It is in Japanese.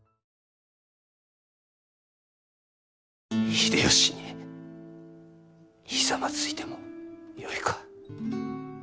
秀吉にひざまずいてもよいか？